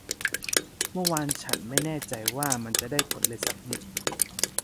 เมื่อวานฉันไม่แน่ใจว่ามันจะได้ผลเลยสักนิด